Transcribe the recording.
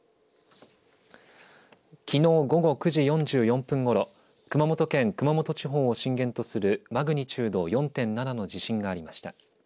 きのう午後９時４４分ごろ、熊本県熊本地方を震源とするマグニチュード４．７の地震がありました。